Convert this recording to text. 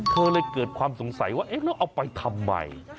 เธอเลยเกิดความสงสัยว่าเอ๊ะแล้วเอาไปทำไม